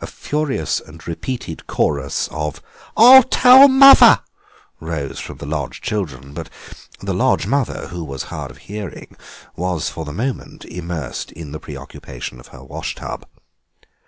A furious and repeated chorus of "I'll tell muvver" rose from the lodge children, but the lodge mother, who was hard of hearing, was for the moment immersed in the preoccupation of her washtub.